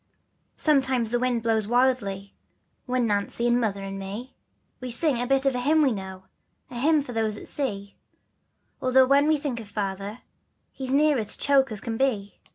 Sometimes the wind blows wildly, But Nancy, and Mother, and me, We sing a bit of a hymn we know, The hymn for those at sea, Although when we think of Father, We're as near to choke as can be.